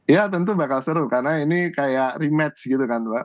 ya tentu bakal seru karena ini kayak rematch gitu kan mbak